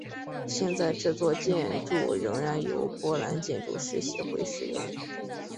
现在这座建筑仍然由波兰建筑师协会使用。